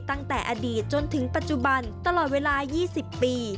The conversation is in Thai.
ตั้งแต่อดีตจนถึงปัจจุบันตลอดเวลา๒๐ปี